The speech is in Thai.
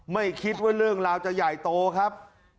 ไม่คิดว่าเรื่องราวจะใหญ่โตครับ